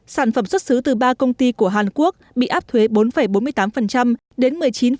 sản phẩm xuất xứ từ ba công ty của hàn quốc bị áp thuế bốn bốn mươi tám đến một mươi chín hai mươi năm